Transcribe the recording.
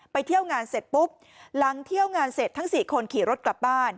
เที่ยวงานเสร็จปุ๊บหลังเที่ยวงานเสร็จทั้ง๔คนขี่รถกลับบ้าน